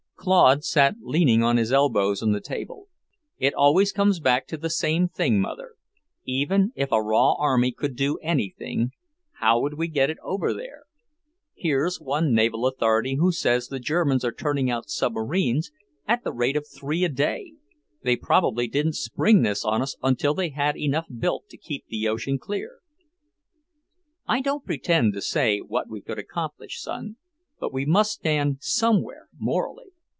Claude sat leaning his elbows on the table. "It always comes back to the same thing, Mother. Even if a raw army could do anything, how would we get it over there? Here's one naval authority who says the Germans are turning out submarines at the rate of three a day. They probably didn't spring this on us until they had enough built to keep the ocean clear." "I don't pretend to say what we could accomplish, son. But we must stand somewhere, morally.